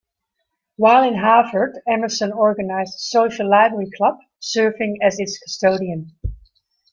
While in Harvard, Emerson organized a social library club, serving as its custodian.